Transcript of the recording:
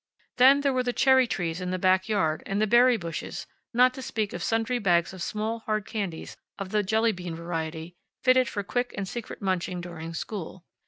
Then there were the cherry trees in the back yard, and the berry bushes, not to speak of sundry bags of small, hard candies of the jelly bean variety, fitted for quick and secret munching during school.